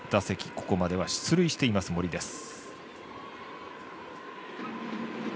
ここまでは出塁しています森です。